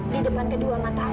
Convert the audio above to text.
di depan kedua makananmu